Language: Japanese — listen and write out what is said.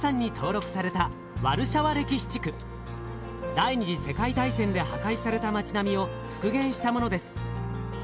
第２次世界大戦で破壊された町並みを復元したものです。